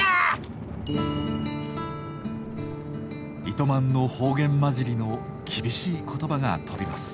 糸満の方言まじりの厳しい言葉が飛びます。